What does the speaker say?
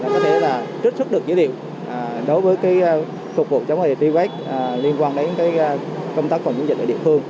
có thể trích xuất được dữ liệu đối với cục vụ chống dịch liên quan đến công tác phòng chống dịch ở địa phương